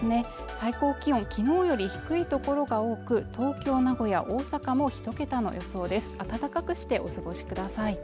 最高気温きのうより低い所が多く東京、名古屋、大阪も１桁の予想で暖かくしてお過ごしください